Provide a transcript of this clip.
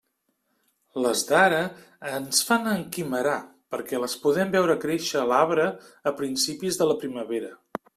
Les d'ara ens fan enquimerar perquè les podem veure créixer a l'arbre a principis de la primavera.